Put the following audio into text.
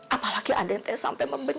apalagi aden teh sampai berubah